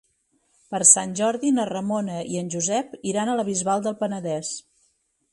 Per Sant Jordi na Ramona i en Josep iran a la Bisbal del Penedès.